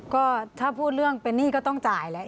ก็ถ้าพูดเรื่องเป็นหนี้ก็ต้องจ่ายแหละ